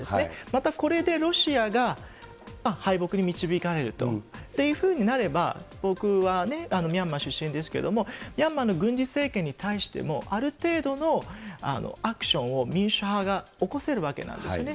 またこれでロシアが敗北に導かれるっていうふうになれば、僕はね、ミャンマー出身ですけれども、ミャンマーの軍事政権に対しても、ある程度のアクションを民主派が起こせるわけなんですね。